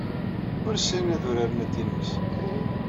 Ur ssinen ad uraren atennis.